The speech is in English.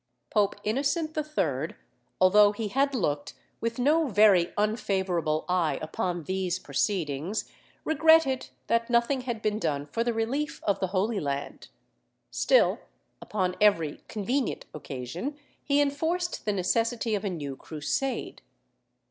Pope Innocent III., although he had looked with no very unfavourable eye upon these proceedings, regretted that nothing had been done for the relief of the Holy Land; still, upon every convenient occasion, he enforced the necessity of a new Crusade.